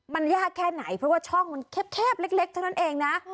มันยากแค่ไหนเพราะว่าช่องมันแคบเล็กเท่านั้นเองนะ